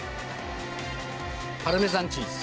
パルメザンチーズ。